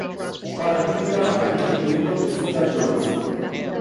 For a period of time he dated Jessica Jones.